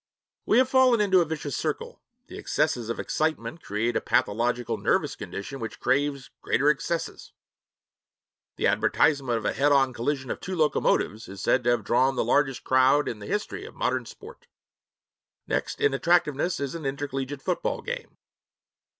We have fallen into a vicious circle: the excesses of excitement create a pathological nervous condition which craves greater excesses. The advertisement of a head on collision of two locomotives is said to have drawn the largest crowd in the history of modern 'sport'; next in attractiveness is an intercollegiate football game.